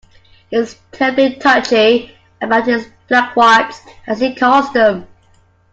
He's terribly touchy about his black wards, as he calls them.